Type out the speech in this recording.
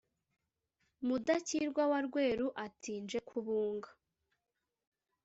mudakirwa wa rweru ati: nje kubunga.